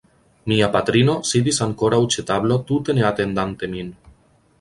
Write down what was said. Mia patrino sidis ankoraŭ ĉe tablo tute ne atendante min.